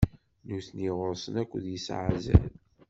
Nutni ɣur-sen akud yesɛa azal.